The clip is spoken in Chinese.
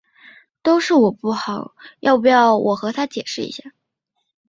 都是我不好，要不要我和她解释下？